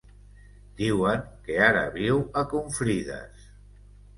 Diuen que ara viu a Confrides.